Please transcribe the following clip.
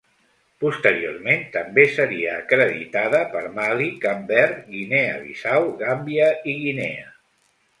Posteriorment també seria acreditada per Mali, Cap Verd, Guinea Bissau, Gàmbia i Guinea.